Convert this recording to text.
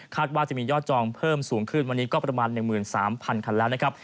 ว่าจะมียอดจองเพิ่มสูงขึ้นวันนี้ก็ประมาณ๑๓๐๐คันแล้วนะครับ